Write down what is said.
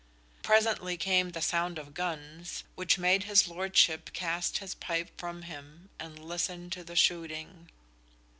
Presently came the sound of guns, which "made his Lordship cast his pipe from him, and listen to the shooting."